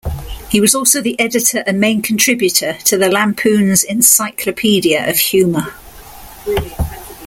He was also the editor and main contributor to the "Lampoon"'s "Encyclopedia of Humor.